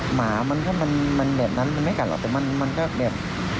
หมามันก็มันแบบนั้นมันไม่กัดหรอกแต่มันก็แบบ